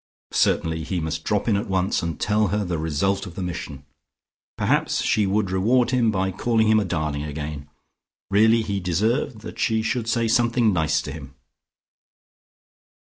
Certainly he must drop in at once, and tell her the result of the mission. Perhaps she would reward him by calling him a darling again. Really he deserved that she should say something nice to him.